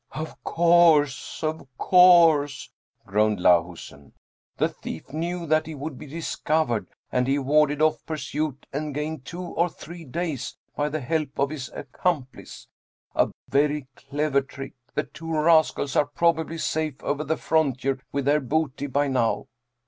Of course, of course," groaned Lahusen. " The thief knew that he would be discovered, and he warded off pur suit and gained two or three days, by the help of his accom plice. A very clever trick ! The two rascals are probably safe over the frontier with their booty by now